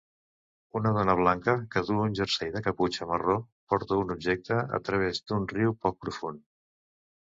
Una dona blanca que duu un jersei de caputxa marró porta un objecte a través d'un riu poc profund